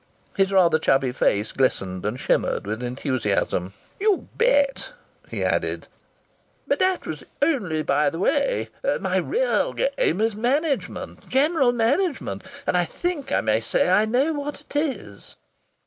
His rather chubby face glistened and shimmered with enthusiasm. "You bet!" he added. "But that was only by the way. My real game is management general management. And I think I may say I know what it is?"